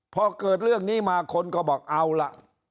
พอเกิดเรื่องนี้มาคนก็บอกเอาล่ะ